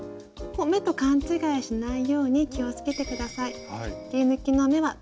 目と勘違いしないように気をつけて下さい。